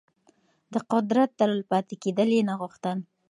د قدرت تل پاتې کېدل يې نه غوښتل.